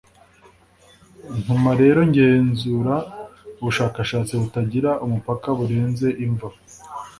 Ntuma rero ngenzura ubushakashatsi butagira umupaka burenze imva